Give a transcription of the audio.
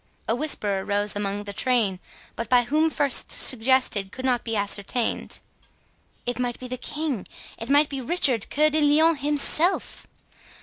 A whisper arose among the train, but by whom first suggested could not be ascertained. "It might be the King—it might be Richard Cœur de Lion himself!"